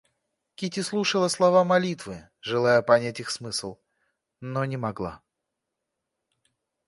Кити слушала слова молитвы, желая понять их смысл, но не могла.